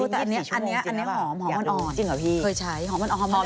แต่อันนี้หอมหอมอ่อน